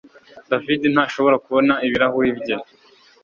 David ntashobora kubona ibirahuri bye